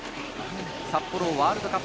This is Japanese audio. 札幌ワールドカップ